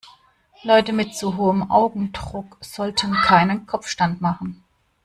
Leute mit zu hohem Augendruck sollten keinen Kopfstand machen.